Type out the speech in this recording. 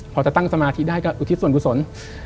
พอจะตั้งสมาธิได้ก็อุทิศส่วนกุศล